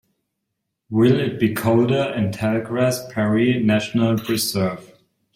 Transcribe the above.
Will it be colder in Tallgrass Prairie National Preserve?